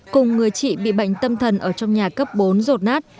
cùng người chị bị bệnh tâm thần ở trong nhà cấp bốn rột nát